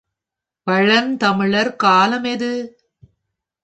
பழந்தமிழர் காலம் எது?